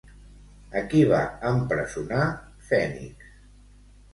A qui va empresonar Fènix?